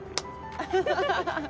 ハハハハ。